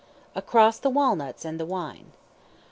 ACROSS THE WALNUTS AND THE WINE.